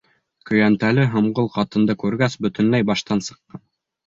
Көйәнтәле һомғол ҡатынды күргәс, бөтөнләй баштан сыҡҡан.